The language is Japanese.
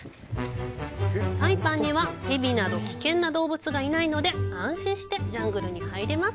サイパンには蛇など危険な動物がいないので安心してジャングルに入れます。